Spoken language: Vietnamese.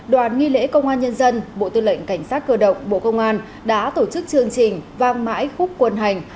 đoàn nghi lễ công an nhân dân bộ tư lệnh cảnh sát cơ động bộ công an đã tổ chức chương trình vang mãi khúc quân hành